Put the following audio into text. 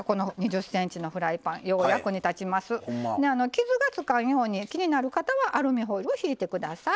傷がつかんように気になる方はアルミホイルをひいて下さい。